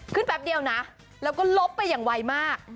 แป๊บเดียวนะแล้วก็ลบไปอย่างไวมาก